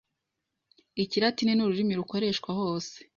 Ikiratini ni ururimi rukoreshwa hose